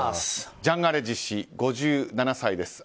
ジャン・アレジ氏、５７歳です。